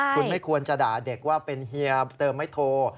คุณไม่ควรจะด่าเด็กว่าเป็นเฮียเติมไม่โทร